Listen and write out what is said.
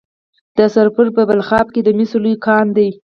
د سرپل په بلخاب کې د مسو لوی کان دی.